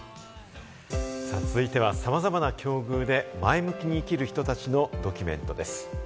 続いては、さまざまな境遇で前向きに生きる人たちのドキュメントです。